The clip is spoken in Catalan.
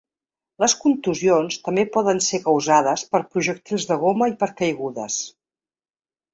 Les contusions també poden ser causades per projectils de goma i per caigudes.